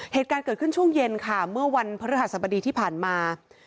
เหตุการณ์เกิดขึ้นช่วงเย็นค่ะเมื่อวันพระฤหัสบดีที่ผ่านมา